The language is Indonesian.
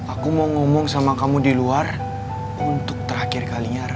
aku mau ngomong sama kamu di luar untuk terakhir kali nya ra